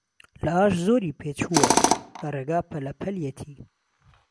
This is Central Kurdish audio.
لە ئاش زۆری پێچووە، لە ڕێگا پەلە پەلیەتی